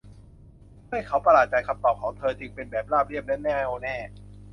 เพื่อให้เขาประหลาดใจ คำตอบของเธอจึงเป็นแบบราบเรียบและแน่วแน่